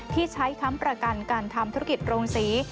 ที่ใช้ค้ำประกันการทำธุรกิจโรงศรี